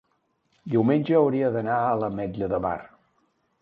diumenge hauria d'anar a l'Ametlla de Mar.